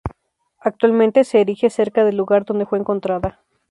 Actualmente se erige cerca del lugar donde fue encontrada.